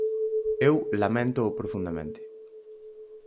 Eu laméntoo profundamente.